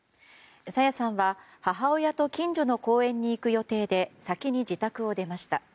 朝芽さんは母親と近所の公園に行く予定で先に自宅を出ました。